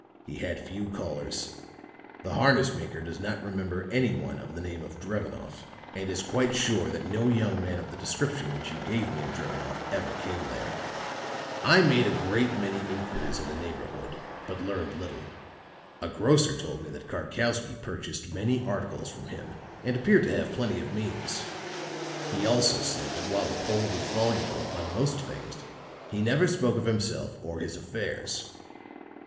He had few callers. The harness maker does not remember any one of the name of Drevenoff, and is quite sure that no young man of the description which you gave me of Drevenoff ever came there. "I made a great many inquiries in the neighborhood, but learned little. A grocer told me that Karkowsky purchased many articles from him and appeared to have plenty of means; he also said that while the Pole was voluble upon most things he never spoke of himself or his affairs.